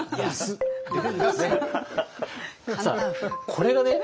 これがね